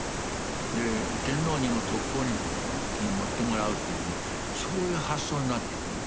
で天皇にも特攻機に乗ってもらうというねそういう発想になっていくんですね。